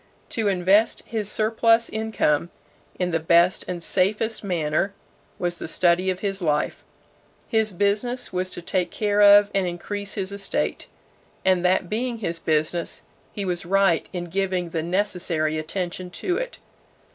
To invest his surplus income in the best and safest manner was the study of his life. His business was to take care of and increase his estate; and that being his business, he was right in giving the necessary attention to it.